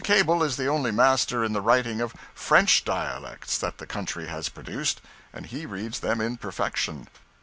Cable is the only master in the writing of French dialects that the country has produced; and he reads them in perfection.